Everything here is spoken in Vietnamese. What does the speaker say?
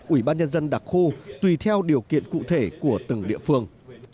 ủy ban nhân dân đặc khu tùy theo điều kiện cụ thể của từng địa phương